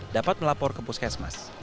dapat melapor ke puskesmas